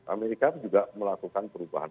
amerika juga melakukan perubahan